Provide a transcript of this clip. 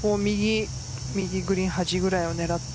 右グリーン端ぐらいを狙って。